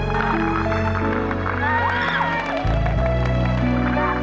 semoga setiap saat